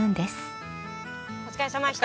お疲れさまでした。